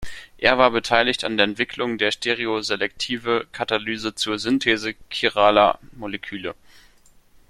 Er war beteiligt an der Entwicklung der stereoselektive Katalyse zur Synthese chiraler Moleküle.